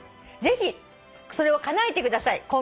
「ぜひそれをかなえてください」